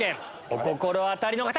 お心当たりの方！